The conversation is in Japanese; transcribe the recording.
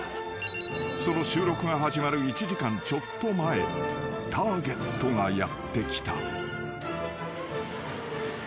［その収録が始まる１時間ちょっと前ターゲットがやって来た］